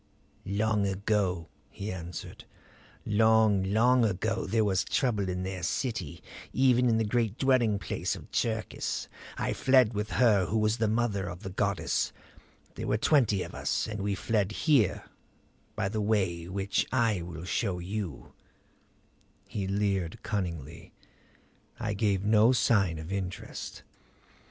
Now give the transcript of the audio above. "Long ago," he answered; "long, long ago there was trouble in their city, even in the great dwelling place of Cherkis. I fled with her who was the mother of the goddess. There were twenty of us; and we fled here by the way which I will show you " He leered cunningly; I gave no sign of interest.